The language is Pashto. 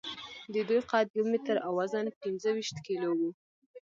د دوی قد یو متر او وزن پینځهویشت کیلو و.